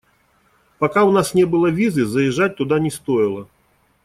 Пока у нас не было визы, заезжать туда не стоило.